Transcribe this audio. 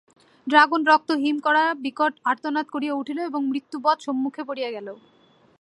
Dragon রক্ত হিম-করা বিকট আর্তনাদ করিয়া উঠিল এবং মৃত্যুবৎ সম্মুখে পড়িয়া গেল।